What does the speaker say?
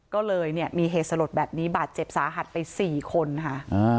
ก็เลยเนี่ยมีเหตุสลดแบบนี้บาดเจ็บสาหัสไป๔คนค่ะ